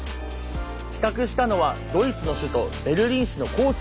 企画したのはドイツの首都ベルリン市の交通局。